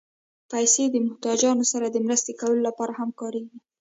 پېسې د محتاجانو سره مرسته کولو لپاره هم کارېږي.